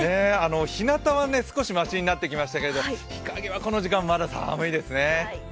ひなたはは少しましになってきましたけど日陰はこの時間、まだ寒いですね。